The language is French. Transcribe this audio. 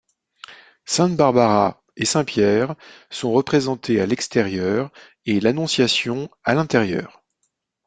Sainte Barbara et Saint Pierre sont représentés à l’extérieur et l’Annonciation à l’intérieur.